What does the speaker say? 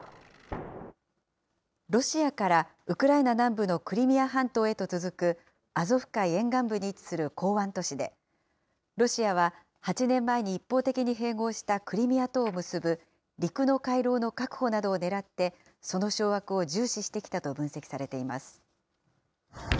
ロシアからウクライナ南部のクリミア半島へと続くアゾフ海沿岸部に位置する港湾都市で、ロシアは８年前に一方的に併合したクリミアとを結ぶ、陸の回廊の確保などを狙って、その掌握を重視してきたと分析されています。